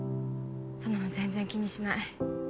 そんなの全然気にしない